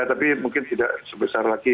tapi mungkin tidak sebesar lagi